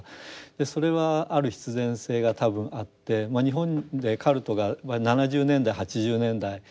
それはある必然性が多分あって日本でカルトが７０年代８０年代盛んに布教を始めていく。